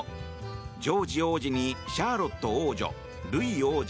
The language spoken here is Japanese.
ジョージ王子にシャーロット王女、ルイ王子。